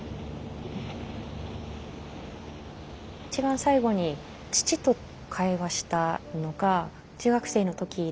一番最後に父と会話したのが中学生の時ですけれども。